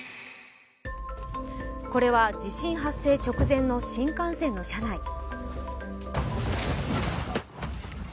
これは地震発生直前の新幹線の車内。